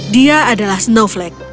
dia adalah snowflake